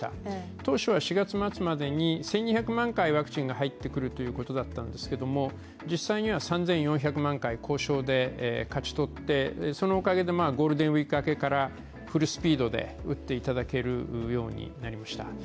当初は４月末までに１２００万回ワクチンが入ってくるということだったんですけども実際には３４００万回、交渉で勝ち取ってそのおかげでゴールデンウイーク明けからフルスピードで打っていただけるようになりました。